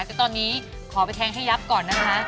แต่ตอนนี้ขอไปแทงให้ยับก่อนนะคะ